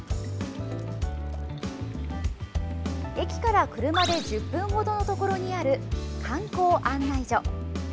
駅から車で１０分程のところにある観光案内所。